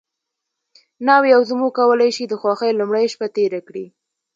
ناوې او زوم وکولی شي د خوښۍ لومړۍ شپه تېره کړي.